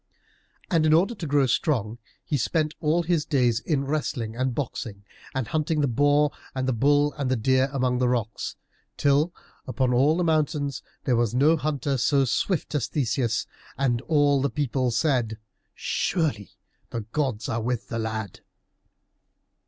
And in order to grow strong he spent all his days in wrestling and boxing, and hunting the boar and the bull and the deer among rocks, till upon all the mountains there was no hunter so swift as Theseus, and all the people said, "Surely the gods are with the lad!"